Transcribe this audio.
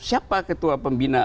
siapa ketua pembina